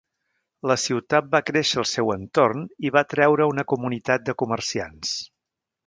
La ciutat va créixer al seu entorn i va atreure una comunitat de comerciants.